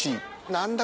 何だ？